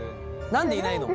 何でいないの？